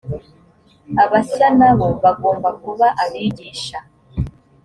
abashya na bo bagomba kuba abigisha